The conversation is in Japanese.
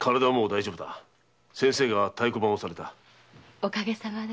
おかげさまで。